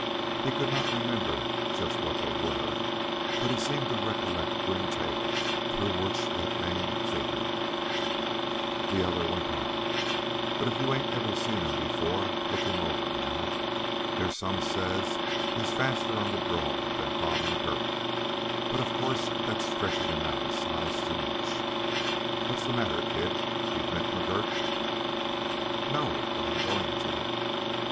He could not remember just what they were, but he seemed to recollect grim tales through which that name figured. The other went on: "But if you ain't ever seen him before, look him over now. They's some says he's faster on the draw than Bob McGurk, but, of course, that's stretchin' him out a size too much. What's the matter, kid; you've met McGurk?" "No, but I'm going to."